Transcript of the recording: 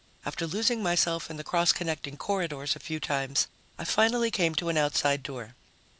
After losing myself in the cross connecting corridors a few times, I finally came to an outside door.